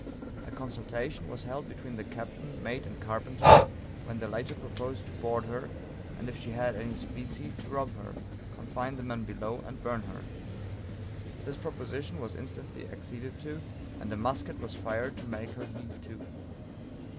A consultation was held between the captain, mate and carpenter, when the latter proposed to board her, and if she had any specie to rob her, confine the men below, and burn her. This proposition was instantly acceded to, and a musket was fired to make her heave to.